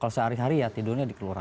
kalau sehari hari ya tidurnya di keluarga